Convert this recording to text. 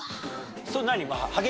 それ何？